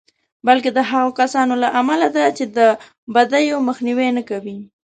بلکې د هغو کسانو له امله ده چې د بدیو مخنیوی نه کوي.